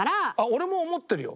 俺も思ってるよ。